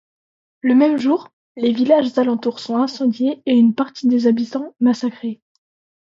Le même jour, les villages alentour sont incendiés et une partie des habitants massacrés.